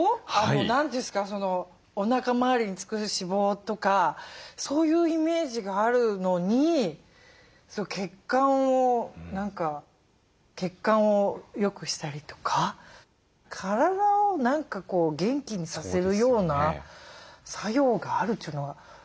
何ですかおなか回りに付く脂肪とかそういうイメージがあるのに血管を何か血管をよくしたりとか体を何か元気にさせるような作用があるというのが本当びっくりですね。